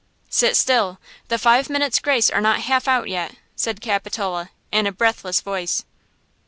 "Sit still! The five minutes' grace are not half out yet," said Capitola, in a breathless voice.